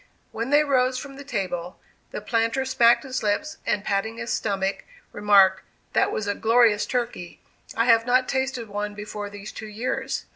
When they arose from the table, the planter smacked his lips, and patting his stomach, remarked, "That was a glorious turkey. I have not tasted one before these two years.